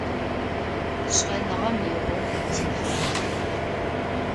Шӏэныгъэм игъогу техьагъэх.